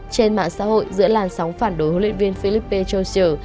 trên mạng xã hội giữa làn sóng phản đối huấn luyện viên philippe johnial